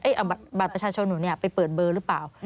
เอาบัตรประชาชนหนูไปเปิดเบอร์หรือเปล่า